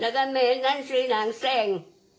แล้วก็เมนท์นั้นซี่นางแซ่ง